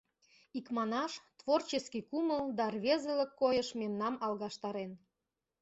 Икманаш, творческий кумыл да рвезылык койыш мемнам алгаштарен...